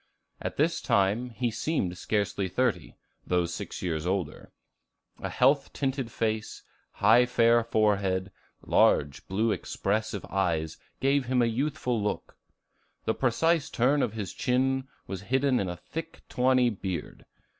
At this time, he seemed scarcely thirty, although six years older; a health tinted face, high fair forehead, large blue expressive eyes, gave him a youthful look. The precise turn of his chin was hidden in a thick tawny beard.